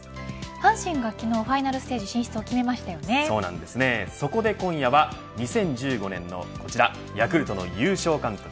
阪神が昨日ファイナルステージ進出をそこで今夜は２０１５年のヤクルトの優勝監督